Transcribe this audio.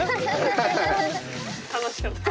楽しかった。